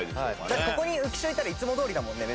だってここに浮所いたらいつもどおりだもんね。